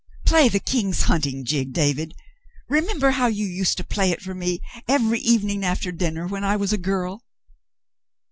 Play the ' King's Hunting Jig,' David. Remember how you used to play it for me every evening after dinner, when I was a girl